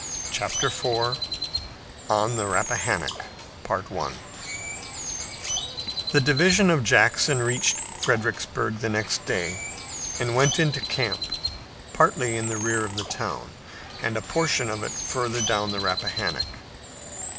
CHAPTER IV ON THE RAPPAHANNOCK The division of Jackson reached Fredericksburg the next day and went into camp, partly in the rear of the town, and a portion of it further down the Rappahannock.